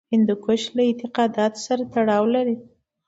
هندوکش له اعتقاداتو سره تړاو لري.